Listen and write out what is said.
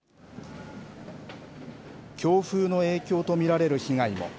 強風の影響と見られる被害も。